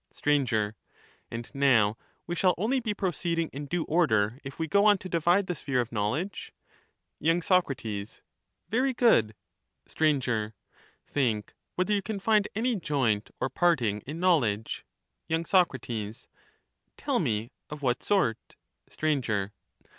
Sir, And now we shall only be proceeding in due order if we go on to divide the sphere of knowledge ? y. Sac, Very good. Sir. Think whether you can find any joint or parting in knowledge. y. Sac. Tell me of what sort. Sir.